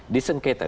di sengketa dki